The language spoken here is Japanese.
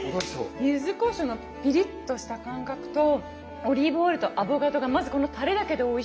ゆずこしょうのピリッとした感覚とオリーブオイルとアボカドがまずこのたれだけでおいしい。